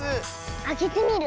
あけてみる？